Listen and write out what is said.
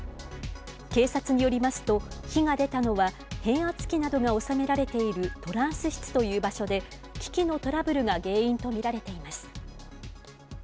警察によりますと、火が出たのは変圧器などが収められているトランス室という場所で、機器のトラブルが原因と見られています。